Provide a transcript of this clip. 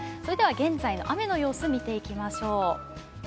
現在の雨の様子見ていきましょう。